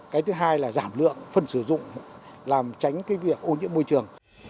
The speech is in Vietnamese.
cái thứ hai là giảm lượng phân sử dụng làm tránh cái việc ô nhiễm môi trường